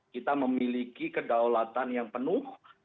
kita memiliki kedaulatan yang penuh